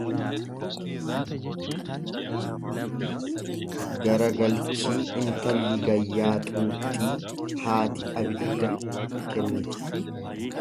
Garagalchii intalli gayyaa Xuuxxii haati abidda kenniti.